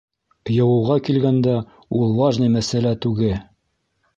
Йыуыуға килгәндә, ул важный мәсьәлә түге.